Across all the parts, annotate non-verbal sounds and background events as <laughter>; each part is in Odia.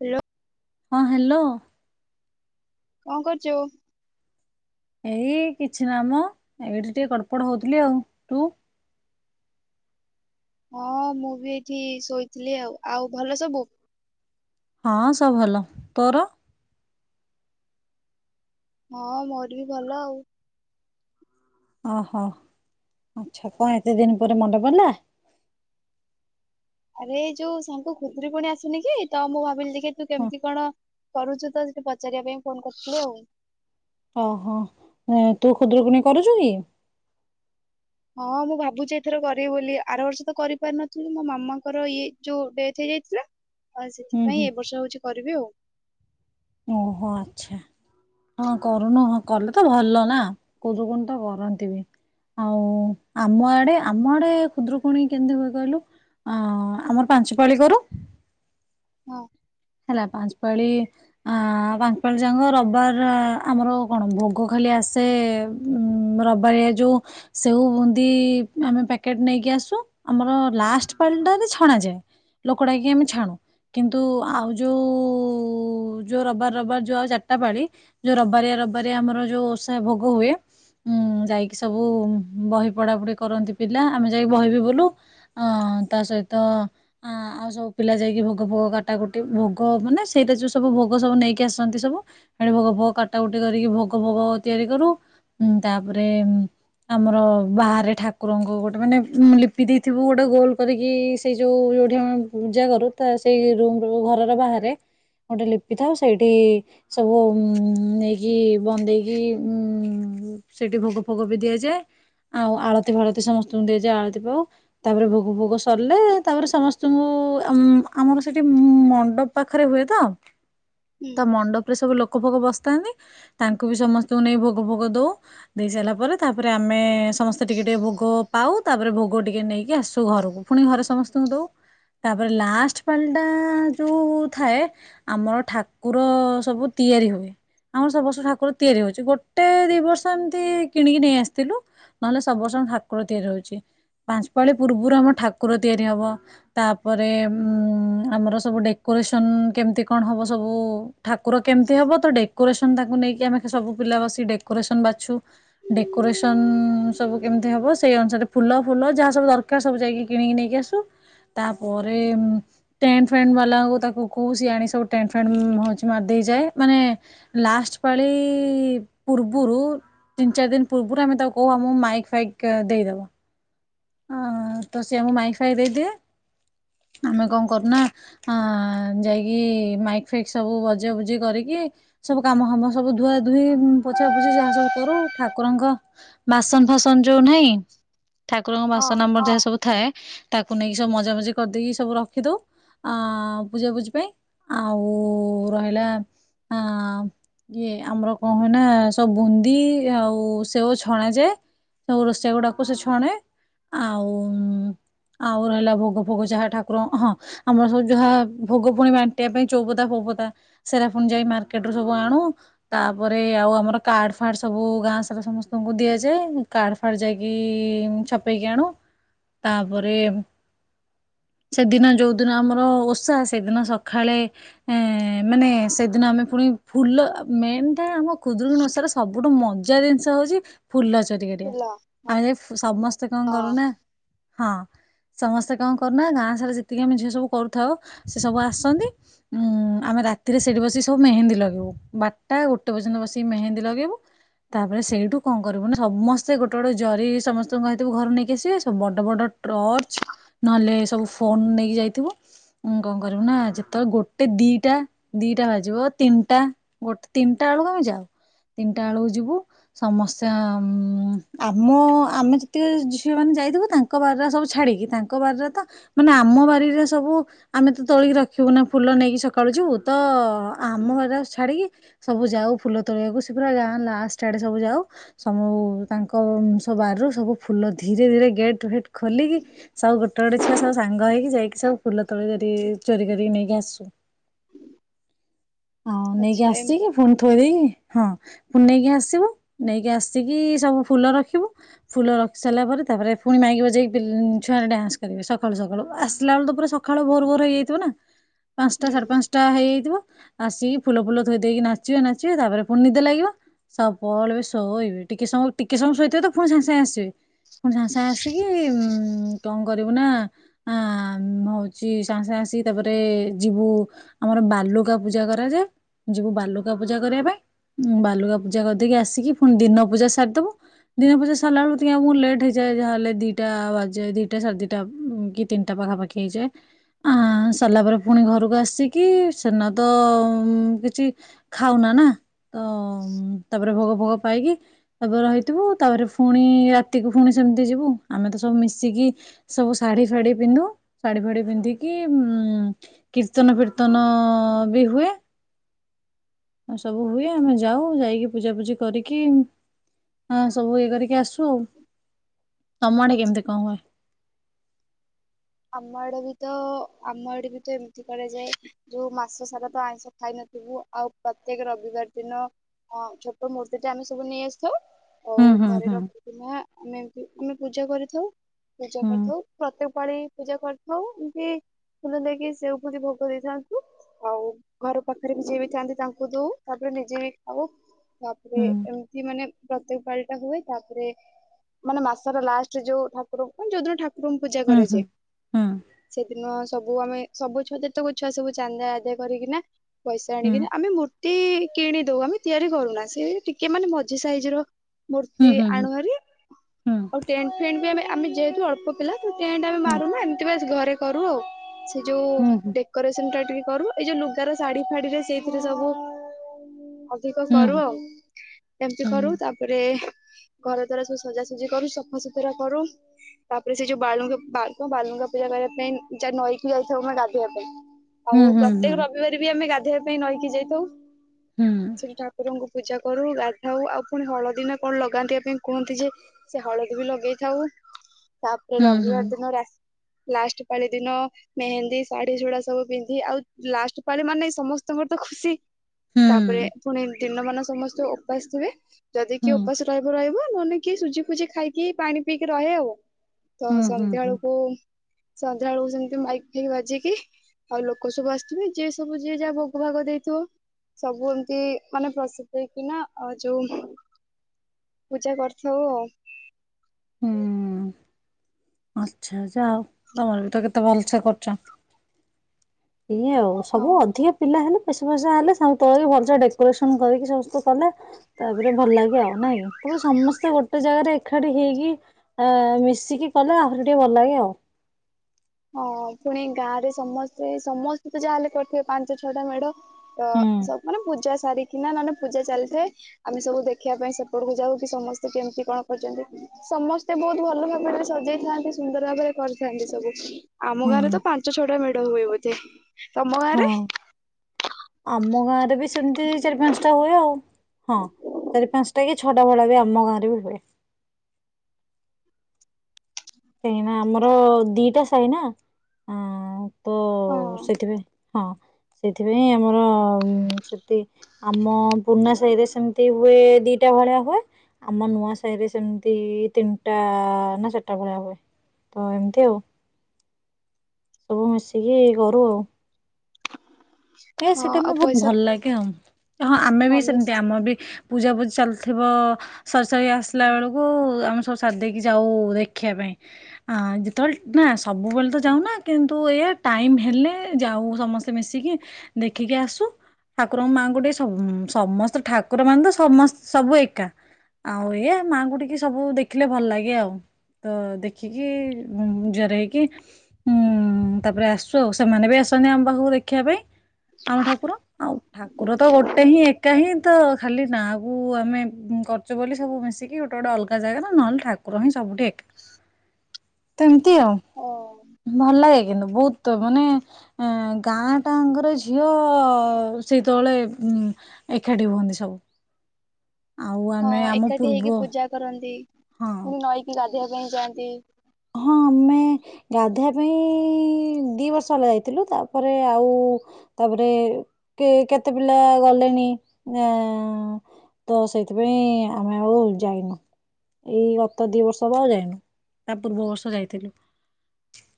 ହ୍ୟାଲୋ ହଁ ହ୍ୟାଲୋ କଣ କରୁଛୁ ଏଇ କିଛି ନାାମ ଏବେଠ ଟିକେ କଡ଼ପଡ ହଉଥିଲି ଆଉ ତୁ। ହଁ ମୁଁ ବି ଏଠି ଶୋଇଥିଲି ଆଉ ଆଉ ଭଲ ସବୁ ହଁ ସ ଭଲ ତୋର ହଁ ମୋର ବି ଭଲ ଆଉ। ଓହୋ ଆଛା ପତି ଦିନ ପରେ ମଣ୍ଡେ ପଡିଲା। ଆରେଇ ଯୋଉ ସାଙ୍ଗ ଖୁଦୁରୀ ପୁଣି ଆସନି କି ତ ମୁଁ ଭାବିଲି। ତୁ ହଁ କେମିତି କଣ? କରୁଛୁ ତ ସେଠି ପଚାରିବା ପାଇଁ ଫୋନ କରିୁଥିଲୁ ଆଉ। ଓହୋ ତୁ କ୍ଷୁଦ୍ର ଗଣି କରୁଛୁ କି? ହଁ ମୁଁ ଭାବୁଛି ଏଥର କରିବି ବୋଲି ଆର ବର୍ଷ ତ କରିପାରିନଥିଲି ମୋ ମାମାଙ୍କର ଇ ଯୋଉ ଡେଥ ହେଇଯାଇଥିଲା। ଆଉ ହୁଁ ସେଥିପାଇଁ ହୁଁ ଏ ବର୍ଷ ହଉଛି କରିବି ଆଉ। ଓହୋ ଆଚ୍ଛା ହଁ କରୁନୁ ହଁ କଲେ ତ ଭଲ ନା ଖୁଦୁକୁଣୀ ତ କରନ୍ତି ବି ଆଉ ଆମ ଆଡେ ଆମ ଆଡେ ଖୁଦ୍ରକୁଣୀ କେମିତି କୁ କହିଲୁ ଆମର ପାଞ୍ଚପାଳି କରରୁ ହଁ ହେଲା ପାଞ୍ଚ ପାାଳି ପାଞ୍ଚ ପାାଳି ଯଙ୍ଗ ରବିବାର ଆମର କଣ ଭୋଗ ଖାଲି ଆସେ ଉ ରବାର ଯୋଉ ସେବଉ ବୁନ୍ଦି ଆମେ ପ୍ୟାକେଟ ନେଇକି ଆସୁ ଆମର ଲାଷ୍ଟ ପାଳି ଟାାରେ ଛଣାଯାଏ ଲୋକଡାକ ଆମେ ଛାଣୁ କିନ୍ତୁ ହୁଁ ଆଉ ଯୋଉ ରବିବାର ରିବାର ଯୋଉ ଆଉ ଚାରିଟା ପାଳି ଯୋଉ ରବାରିଆ ରବିବାରିଆ ଆମର ଯୋଉ ଓଷା ଭୋଗ ହୁଏ ଯାଇକି ସବୁ ବହି ପଢାପଢ଼ି କରନ୍ତି ପିଲା ଆମେ ଯାଇକି ବହି ବି ବୋଲୁ ତା ସହିତ ଆଉ ସବୁ ପିଲା ଯାଇକି ଭୋଗ ଫୋଗ କାଟା କ ଭୋଗ ମାନେ ସେଇଟ ଯୋଉ ସବୁ ଭୋଗ ସବୁ ନେଇକି ଆସନ୍ତି ସବୁ ସେଠି ଭୋଗ ଫୋଗ କାଟାକୁଟି କରିକି ଭୋଗ ଭୋଗ ତିଆରି କରୁ ତାପରେ ଆମର ବାହାରେ ଠାକୁରଙ୍କୁ ଗୋଟେ ମାନେ ଲିପି ଦେଇଥିବୁ ଗୋଟେ ଗୋଲ କରିକି ସେଇ ଯୋଉ ଯଠି ଆମେ ପୂଜା କରୁ ତା ସେଇ ଘରର ବାହାରେ ଗୋଟେ ଲିପି ଥାଉ ସେଇଠି ସବୁ ଉ ନେଇକି ବନ୍ଦେଇକି ଉ ସେଇଠି ଭୋଗ ଫୋଗ ବି ଦିଆଯାଏ ଆଉ ଆଳତି ଫାଳତି ସମସ୍ତଙ୍କୁ ଦିଆଯାଏ ଆଳତି ପାଉ ତାପରେ ଭୋଗ ଫୋଗ ସରିଲେ ତାପରେ ସମସ୍ତଙ୍କୁ ଆମର ସେଠି ମଣ୍ଡପ ପାଖରେ ହୁଏ ତ ହୁଁ। ତା ମଣ୍ଡପରେ ସବୁ ଲୋକ ଫୋକ ବସ ନ୍ତି ତାଙ୍କୁ ବି ସମସ୍ତଙ୍କୁ ନେଇ ଭୋଗ ଭୋଗ ଦଉ ଦେଇ ସାରିଲା ପରେ ତାପରେ ଆମେ ସମସ୍ତେ ଟିକେ ଟିକେ ଭୋଗ ପାଉ ତାପରେ ଭୋଗ ଟିକେ ନେଇକି ଆସୁ ଘରକୁ ପୁଣି ଘରେ ସମସ୍ତଙ୍କୁ ଦଉ ତାପରେ ଲାଷ୍ଟ ପା ଯୋଉ ଥାଏ ଆମର ଠାକୁର ସବୁ ତିଆରି ହୁଏ ଆମର ସବର୍ସ୍ତ ଠାକୁର ତିଆରି ହଉଛି ଗୋଟେ ଦି ବର୍ଷ ଏମିତି କିଣିକି ନେଇ ଆସିଥିଲୁ ନହେଲେ ସବୁ ବର୍ଷ ଆମ ଠାକୁର ତିଆରି ହଉଛି ପାଞ୍ଚ ପାାଳି ପୂର୍ବରୁ ଆମ ଠାକୁର ତିଆରି ହବ ତାପରେ ଉ ଆମର ସବୁ ଡେକୋରେସନ କେମିତି କଣ ହବ ସବୁ ଠାକୁର କେମିତି ହବ ତ ଡେକୋରେସ ତାକୁ ନେଇକି ଆମେ ସବୁ ପିଲା ବସି ଡେକୋରେସନ ବାଛୁ। ଡେକୋରେସନ ସବୁ କେମିତି ହବ ସେଇ ଅନୁସାରେ ଫୁଲ ଫୁଲ ଯାହା ସବୁ ଦରକାର ସବୁ ଯାଇକି କିଣିକି ନେଇକି ଆସୁ। ତାପରେ ଟେଣ୍ଟ ଫ୍ରେଣ୍ଡ ବାଲା ତାକୁ କହୁ ସିଏ ଆଣି ସବୁ ଟେଣ୍ଟ ଫ୍ରେଣ୍ଡ ମାରି ଦେଇଯାଏ। ମାନେ ଲାଷ୍ଟ ପାଳି ପୂର୍ବରୁ ତିନି ଚାରି ଦିନ ପୂର୍ବରୁ ଆମେ ତାକୁ କହୁ ଆମକୁ ମାଇକ୍ ଫାଇକ୍ ଦେଇଦବ ତ ସି ଆମକୁ ମାଇକ୍ ଫାଇକ୍ ଦେଇଦିଏ। ଆମେ କଣ କରୁନା ଯାଇକି ମାଇ ଫାଇକ୍ ସବୁ ବଜା ବୁଜି କରିକି ସବୁ କାମ ଫାମ ସବୁ ଧୁଆ ଧଇ ପୋଛା ପୋଛି ଯାହା ସବୁ କରୁ ଠାକୁରଙ୍କ ବାସନ ଫାସନ ଯୋଉନାହିଁ ଠାକୁରଙ୍କ ହଁ ବାସ ଆମର ଯାହା ସବୁ ଥାଏ ତାକୁ ନେଇକି ସବୁ ମଜା ମଜଜି କରିଦେଇକି ସବୁ ରଖିଦଉ। ଅ ପୂଜାପୂଜି ପାଇଁ ଆଉ ରହିଲା ଆ ଇଏ ଆମର କଣ ହୁଏନା ସବୁ ବୁନ୍ଦି ଆଉ ସେଓ ଛଣାଯାଏ ସବୁ ରୋଷେଇଆ ଗୁଡାକୁ ସେ ଛଣେ ଆଉ ଆଉ ରହିଲା ଭୋଗ ଫୋଗ ଯାହା ଠାକୁର ହଁ ଆମର ସବୁ ଯାହା ଭୋଗ ପୁଣି ବାଣ୍ଟିବା ପାଇଁ ଚୌପତା ଫୋପତା ସେରା ପୁଣି ଯାଇ ମାର୍କେଟ ରୁ ସବୁ ଆଣୁ ତାପରେ ଆଉ ଆମର କାଡ ଫାଡ ସବୁ ଗାଁ ସାରା ସମସ୍ତଙ୍କୁ ଦିଆଯାଏ। କାର୍ଡ ଫାଡ ଯାଇକି ଛପେଇକି ଆଣୁ ତାପରେ ସେଦିନ ଯୋଉ ଯେଉ ଦିନ ଆମର ଓଷା ସେଦିନ ସକାଳେ ମାନେ ସେଦିନ ଆମେ ପୁଣି ଫୁଲ ମେନ୍ଟା ଆମ ଖୁଦୁୀ ନ ସବୁ ଗୋଟେ ମଜା ଜିନିଷ ହଉଛି ଫୁଲ ଚୋରି କରିଆ ଫୁଲ ଆମେ ଯାଇ ସମସ୍ତେ କଣ ହଁ କରୁନା ହଁ ସମସ୍ତେ କଣ କରୁନା ଗାଁ ସାରା ଯେତିକି ଆମେ ଝିଅ ସବୁ କରୁଥାଉ ସେ ସବୁ ଆସନ୍ତି ଉ ଆମେ ରାତିରେ ସେଠି ବସିକି ସବୁ ମେହେନ୍ଦୀ ଲଗେଇବୁ ବାରଟା ଗୋଟେ ପର୍ନ୍ତ ବସି ମେହେନ୍ଦୀ ଲଗେଇବୁ। ତାପରେ ସେଇଠୁ କଣ କରିବୁ ସମସ୍ତେ ଗୋଟେ ଗୋଟେ ଜରି ସମସ୍ତଙ୍କ କହିଦବୁ ଘରୁ ନେଇକି ଆସିବେ ସୁ ବଡ ବଡ ଟର୍ଚ ନହେଲେ ସବୁ ଫୋନ ନେଇକି ଯ କଣ କରିବୁ ଯେତେବେଳେ ଗୋଟେ ଦିଟା ଦିଟା ବାଜିବ ତିନିଟା ତିନିଟାଳକୁ ଆମେ ଯାଉ ତିନିଟାଳକୁ ଯିବୁ ସମସ୍ତେ ଆମ ଆମେ ଯେତିକି ଝିଅ ମାନେ ଯାଇିଥିବୁ ତାଙ୍କ ବାରିରେ ସବୁ ଛାଡିକି ତାଙ୍କ ବାରିରେ ତାନେ ଆମ ବାରରେ ସବୁ ଆମେ ତୋଳିକି ରଖିବୁ ନା ଫୁଲ ନେଇକି ସକାଳୁ ଯିବୁ ତ ଆମ ହୁଁ ଘରେ ଛାଡିକି ସବୁ ଯାଉ ଫୁଲ ତୋଳିବାକୁ ସେ ପୁରା ଗାଁ ଲାଷ୍ଟ ଆଡେ ସବୁ ଯାଉ ସୁ ତାଙ୍କ ବାରରୁ ସବୁ ଫୁଲ ଧୀରେ ଧୀରେ ଗେଟ୍ ଫେଟ୍ ଖୋଲିକି ସବୁ ଗଟେ ଗୋଟେ ଗୋଟେ ଛୁଆ ସ ସାଙ୍ଗ ହେଇକି ଜାଇକି ସବୁ ଫୁଲ ତଳେ ଧ ଚୋରି କରି ନେଇକି ଆସୁ। ହ। ହଉ ନେଇକି ଆସ କି ଫୁଣି ଥୋଇ ଦେଇକି ହଁ ପୁଣି ନେଇକି ଆସିବୁ ନେଇକି ଆସିକି ସବୁ ଫୁଲ ରଖିବୁ। ଫୁଲ ରଖି ସାରିଲା ପରେ ତାପରେ ପୁଣି ମାଇକି ବଜେଇକି ଛୁଆ ଡ୍ୟାନ୍ସ କରିବେ ସକାଳୁ ସକାଳୁ ଆସିଲା ବେଳୁ ପଖାଳ ଭୋର ଭୋର ହେଇଯାଇଥିବ ନା। ପାଞ୍ଚଟା ହୁଁ ସାଢେ ପାଞ୍ଚଟା ହେଇଯାଇଥିବ। ଆସିକି ଫୁଲ ଫୁଲ ଥୋଇ ଦେଇେଇକି ନାଚିବେ ନାଚିବେ ତାପରେ ପୁଣି ନିଦେ ଲାଗିବ ସବୁବେଳେ ବି ଶୋଇବେ ଟିକେ ସମୟ ଟିକେ ସମୟ ଶୋଇଥିବେ ତ ପୁଣି ସାଙ୍ଗେ ସାଙ୍ଗେ ଆସିବେ ପୁଣି ସାଙ୍ଗେ ସାଙ୍ଗେ ଆସିକି ଉ କଣ କରିବୁ ନା ଆ ହଉ ସାଙ୍ଗେ ସାଙ୍ଗେ ଆସିକି ତାପରେ ଯିବୁ ଆମର ବାଲୁକା ପୂଜା କରାଯାଏ। ଯିବୁ ବାଲୁକା ପୂଜା କରିବା ପାଇଁ ବାଲୁକା ପୂଜା କରିଦେଇକି ଆସିକି ପୁଣି ଦିନ ପୂଜା ସାରିଦବୁ ଦିନ ପୂଜା ସାରିଲା ବେଳ ମୁଁ ଲେଟ୍ ହେଇଯାଏ ଯାହାେଲେ ଦିଟା ବାଜା ଦିଟା ସାଢ଼େ ଦିଟା କି ତିନିଟା ପାଖାପାଖି ହେଇଯାଏ। ଆ ସରିଲା ପରେ ପୁଣି ଘରକୁ ଆସିକି ସେନା ତ କିଛି ଖାଉନା ନା ତ ତାପରେ ଭୋଗ ଫୋଗ ପାଇକି ତାପରେ ରହିଥିବୁ ତାପରେ ପୁଣି ରାତିକୁ ପୁଣି ସେମିତି ଯିବୁ ଆମେ ତ ସବୁ ମିଶିକି ସବୁ ଶାଢୀ ଫାଢୀ ପିନ୍ଧୁ ଶାଢୀ ଫାଢ ଯେମିତି କିି ଉ କୀର୍ତ୍ତନ କୀର୍ତ୍ତନ ବି ହୁଏ। ଆ ସବୁ ହୁଏ ଆମେ ଯାଉ ଯାଇକି ପୂଜାପୂଜି କରିକି ଆ ସବୁ ଇଏ କରିକି ଆସୁ। ଆଉ ତମ ଆଡେ କେମିତି କଣ ହୁଏ? ଆମ ଆଡେ ବି ତ ଆମ ଆଡେ ବି ତ ଏମିତି କରାଯାଏ। ଯୋଉ ମାସ ସାରା ତ ଆଇଁଷ ଖାଇନଥିବୁ ଆଉ ପ୍ରତ୍ୟେକ ରବିବାର ଦିନ ଛୋଟ ମୂର୍ତ୍ତି ଟା ଆମେ ସବୁ ନେଇ ଆସିଥାଉ ହୁଁ ଆଉ ହୁଁ ଘରେ ହୁଁ ରଖିଦିନେ ଆମେ ଆମେ ପୂଜା କରିଥାଉ ପୂଜା କରିଥାଉ ପ୍ରତ୍ୟେକ ପାଳି ପୂଜା କରିଥାଉ ଏମିତି ଫୁଲ ଦେଇକି ସେ ଉପତି ଭୋଗ ଦେଇଥାନ୍ତୁ। ଆଉ ଘର ପାଖରେ ବି ଯିଏ ବି ଥାନ୍ତି ତାଙ୍କୁ ଦଉ ତାପରେ ନିଜେ ବି ଖାଉ ତାପରେ ହୁଁ ଏମିତି ମାନେ ପ୍ରତ୍ୟେକ ପାଳି ଟା ହୁଏ ତାପରେ ମାନେ ମାସ ର ଲାଷ୍ଟ ଯୋଉ ଠାକୁର ଯୋଉଦିନ ଠାକୁର ଏବଂ ପୂଜା ହୁଁ ହୁଁ କରାଯାଏ। ସେଦିନ ସବୁ ଆମେ ସବୁ ଛୁଆ ଯେତକ ଛୁଆ ସବୁ ଚାନ୍ଦା ଆଦୟ କରିକି ନା ପଇସା ହୁଁ। ଆଣିକି ଆମେ ମୂର ତି କିଣି ଦଉ ଆମେ ତିଆରି କରୁନା ସେ ଟିକେ ମାନେ ମଝି ସାଇଜର ହୁଁ ମୂର୍ତ୍ତି ହୁଁ ହୁଁ ଆଣୁଭାରି ହୁଁ ଆଉ ଟେଣ୍ଟ ଫେଣ୍ଟ ବି ଆ ଆମେ ଯେହେତୁ ଅଳ୍ପ ଅଳ୍ପ ପିଲା ତ ଟେଣ୍ଟ ଆମେ ମାରିକି ଏମିତି ବାସ୍ ଘରେ କରୁ ଆଉ। ସେ ଯୋଉ ହୁଁ ହୁଁ ହୁଁ ହୁଁ ଡେକୋରେସନଟା <unintelligible> କରୁ ଏଇ ଯୋଉ ଲୁଗାର ଶାଢୀ ଫାଡିରେ ସେଇଥିରେ ସବୁ ଅଧିକ ହୁଁ କରୁ ହୁଁ ଆଉ ଏମିତି କରୁ ହୁଁ। ତାପରେ। ଘର ଦ୍ଵାରା ସବୁ ସଜାସଜି କରୁ, ସଫାସତୁରା କରୁ ତାପରେ ସେ ଯୋଉ ବାଳୁଙ୍ଗି ବାଳ୍ ବାଲୁଙ୍ଗା ପୂଜା କରିବା ପାଇଁ ଯା ନଈକୁ ଯାଇଥାଉ ଆମେ ଗାଧେଇବା ପାଇଁ ହୁଁ ଆଉ ହୁଁ ପ୍ରତ୍ୟେକ ହୁଁ ରବିବାର ବି ଆମେ ଗାଧ୍ ଧେଇବା ପାଇଁ ନଈକୁ ଯାଇଥାଉ ହୁଁ ସେଠୀ ଠାକୁରଙ୍କୁ। ପୂଜା କରୁ ଗାଧାଉ ଆଉ ପୁଣି ହଳଦୀ ନା କଣ ଲଗାନ୍ତି ପାଇଁ କୁହନ୍ତି ଯେ ସେ ହଳଦୀ ବି ଲଗେଇଥାଉ। ତାପରେ ହୁଁ ହୁଁ ହୁଁ ହୁଁ ରବିବାର ଦିନ ରାତ୍ ଲାଷ୍ଟ ପାାଳି ଦିନ ମେହେନ୍ଦୀ, ଶାଢୀ, ସୁଡା ସବୁ ପିନ୍ଧି ଆଉ ଲାଷ୍ଟ ପାାଳି ମାନେ ସମସ୍ତଙ୍କର ତ ଖୁସି ତାପରେ ପୁଣି ଦିନ ମାନ ସମସ୍ତେ ଉପାସ ଥିବେ ଯଦି କିଏ ଉପାସ ରହିବ ରହିବ ମନେକ ସୁଜି ଫୁଜି ଖାଇକି ପାଣି ପିଇକି ରହେ ଆଉ ତ ହୁଁ ହୁଁ ସନ୍ଧ୍ୟାବେଳୁ ହୁଁ। ସନ୍ଧ୍ୟା ବେଳକୁ ସେମିତି ମାଇକି ଫାଇକି ବାଜିକି ଆଉ ଲୋକ ସବୁ ଆସିଥିବେ ଯିଏ ସବୁ ଯିଏ ଯାହା ଭୋଗ ଭାଗ ଦେଇଥିବ ସବୁ ଏମିତି ମାନେ ପ୍ରସାଦ ହେଇକି ନା ଆଉ ଯୋଉ ପୂଜା କରିଥାଉ ଆଉ। ହୁଁ ଆଚ୍ଛା! ଯା ହଉ ତମର ତ କେତେ ଭଲସେ୍ କରୁଛ ଇଏ ଆଉ ସବୁ ଅଧିକ ପିଲା ହେଲେ ବସବୁସା ହେଲେ ସବୁ ତଳ ଭଲସ ଡେକୋରେସନ କରିକି ସମସ୍ତେ କଲ ତାପରେ ଭଲ ଲାଗେ ଆଉ ନାଇଁ ତାପରେ ସମସ୍ତେ ଗୋଟେ ଜାଗାରେ ଏକାଠି ହେଇକି ଆ ମିଶିକି କଲେ ଆହୁରି ଟିକେ ଭଲ ଲାଗେ ଆଉ। ହଁ ପୁଣି ଗାଁ ରେ ସମସ୍ତେ ସମସ୍ତେ ତ ଯାହାହେଲେ କରିଥିବେ ପାଞ୍ଚ ଛଅଟା ମେଢ ତ ହୁଁ ସବୁ ମାନେ ପୂଜା ସାରିକିନା ନହେଲେ ପୂଜା ଚାଲିଥାଏ ଆମେ ସବୁ ଦେଖିବା ପାଇଁ ସେପଟକୁ ଯାଉ କି ସମସ୍ତେ କେମତି କଣ କରିଛନ୍ତି ସମସ୍ତେ ବହୁତ ଭଲ ଭାବରେ ସଜେଇଥାନ୍ତି ସୁନ୍ଦର ଭାବରେ କରିଥାନ୍ତି ସବୁ ଆମ ଗାଁରେ ହୁଁ ତ ପାଞ୍ଚ ଛଅଟା ମେଢ ହୁଏ ବୋଧେ ତମ ହଁ ଗାଁରେ ଆମ ଗାଁରେ ବି ସେମିତି ଚାରି ପାଞ୍ଚଟା ହୁଏ ଆଉ। ହଁ ଚାରି ପାଞ୍ଚଟା କି ଛଅଟା ଭଳି ବି ଆମ ଗାଁ ରେ ବି ହୁଏ। କାହିଁକିନା ଆମର ଦିଟା ସାହି ନା ଅଁ ତ ହଁ ସେଥିପାଇଁ ହଁ ସେଥିପାଇଁ ଆମର ସେଠି ଆମ ପୁରୁଣା ସାହିରେ ସେମିତି ହୁଏ ଦିଟା ଭଳିଆ ହୁଏ ଆମ ନୂଆ ସାହି ରେ ସେମିତି ତିନିଟା ନା ଚାରିଟା ଭଳିଆ ହୁଏ। ତ ଏମିତି ଆଉ। ସବୁ ମିଶିକି କରୁ ଆଉ। ହେ ହଁ ସେଇଟା ଆଉ ମେ ବହୁତ ପଇସା ଭଲ ଲାଗେ ହଁ ହଁ ଆମେ ବି ସେମିତି ଆମର ବି ପୂଜା ପୁଜି ଚାଲି ଥିବ ସରି ସରି ଆସିଲା ବେଳକୁ ଆମେ ସବୁ ସରି ଦେଇକି ଯାଉ ଦେଖିବା ପାଇଁ ଯେତେବେଳେ ନା ସବୁବେଳେ ତ ଯାଉନା କିନ୍ତୁ ଏଇଆ ଟାଇମ୍ ହେଲେ ଯାଉ ସମସ୍ତେ ମିଶିକି। ଦେଖିକି ଆସୁ ଠାକୁରଙ୍କ ମାଆଙ୍କୁ ଟିକେ ସମସ୍ତ ଠାକୁର ମାନେ ତ ସମସ୍ତ ସବୁ ଏକା ଆଉ ଏଇଆ ମାଆଙ୍କୁ ଟିକେ ସବୁ ଦେଖିଲେ ଭଲ ଲାଗେ ଆଉ ତ ଦେଖିକି ଜୁହାର ହେଇକି ଉଁ ତାପରେ ଆସୁ ଆଉ ସେମାନେ ବି ଆସନ୍ତି ଆମ ପାଖକୁ ଦେଖିବା ପାଇଁ। ଆମ ଠାକୁର ଆଉ ଠାକୁର ତ ଗୋଟେ ହିଁ ଏକା ହିଁ ତ ଖାଲି ନାଁକୁ ଆମେ କରୁଛୁ ବୋଲି ସବୁ ମିଶିକି ଗୋଟେ ଗୋଟେ ଅଲଗା ଜାଗା ନା ନହେଲେ ଠାକୁର ହିଁ ସବୁଠି ଏକା ଥା ନ୍ତୀ ଆଉ ଓ ଭଲ ଲାଗେ। କିନ୍ତୁ ବହୁତ ମାନେ ଅ ଗାଁ ଟାଙ୍କର ଝିଅ ସେତେବେଳେ ଉ ଏକାଠି ହୁଅନ୍ତି ସବୁ। ଆଉ ହଁ ଆମେ ଆମ ଏକାଠି ପୂର୍ବ ହେଇକି ପୂଜା କରନ୍ତି। ହଁ ମୁୁ ନଈକି ଗାଧେଇବା ପାଇଁ ଯାଆନ୍ତି। ହଁ ଆମେ ଗାଧୋଇବା ପାଇଁ ଦି ବର୍ଷ ହେଲା ଯାଇଥିଲୁ ତାପରେ ଆଉ ତାପରେ କେତେ ପିଲା ଗଲେନି ତ ସେଇଥିପାଇଁ ଆମେ ଆଉ ଯାଇନୁ ଏଇ ଗତ ଦି ବର୍ଷ ହେବା ଆଉ ଯାଇନୁ। ତା ପୂର୍ବ ବର୍ଷ ଯାଇଥିଲୁ।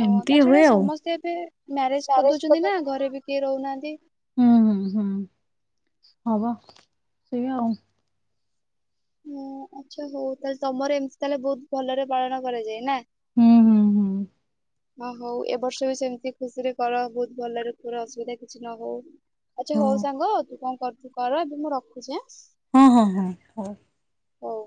ଓ ଏମିତି ତା ଛଡା ହୁଏ ଆଉ। ସମସ୍ତେ ଏବେ ମ୍ୟାରେଜ କରିଦଉଛନ୍ତି ନା ଘରେ ବି କିଏ ରହୁନାହାନ୍ତି। ହୁଁ ହୁଁ ହୁଁ। ହ ମ୍ପା ସେଇଆ ଆଉ। ହ ଆଛା ହଉ ତାହଲେ ତମର ଏମିତି ତାହେଲେ ବହୁତ ଭଲରେ ପାଳନ କରାଯାଏ ନା। ହୁଁ ହୁଁ ହୁଁ। ହଁ ହଉ ଏବ ବର୍ଷ ବି ସେମିତି ଖୁସିରେ କର ବହୁତ ଭଲରେ କର ଅସୁବିଧା କିଛି ନ ହଉ। ଆଚ୍ଛା ହଁ ହଉ ସାଙ୍ଗ ତୁ କଣ କରୁ ଛୁ କର ଏବେ ମୁଁ ରଖୁଛି‌ ଆଃ। ହଁ ହଁ ହଁ ହଉ। ହଉ।